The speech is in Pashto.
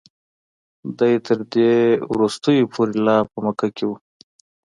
دی تر دې وروستیو پورې لا په مکه کې و.